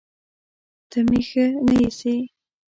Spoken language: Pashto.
ته مې ښه نه ايسې